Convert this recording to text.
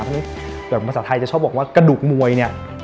เพราะฉะนั้นภาษาไทยจะชอบบอกว่ากระดูกมวยเนี่ย